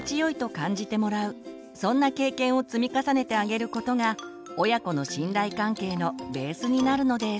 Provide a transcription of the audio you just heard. そんな経験を積み重ねてあげることが親子の信頼関係のベースになるのです。